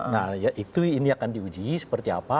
nah itu ini akan diuji seperti apa